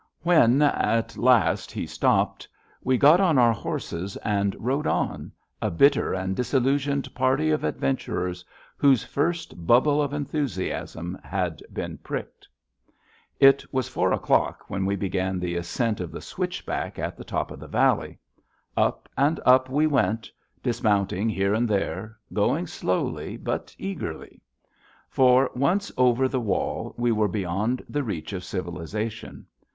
When, at last, he stopped, we got on our horses and rode on, a bitter and disillusioned party of adventurers whose first bubble of enthusiasm had been pricked. It was four o'clock when we began the ascent of the switchback at the top of the valley. Up and up we went, dismounting here and there, going slowly but eagerly. For, once over the wall, we were beyond the reach of civilization.